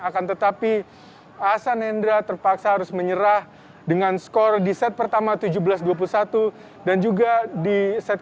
akan tetapi ahsan hendra terpaksa harus menyerah dengan skor di set pertama tujuh belas dua puluh satu dan juga di set dua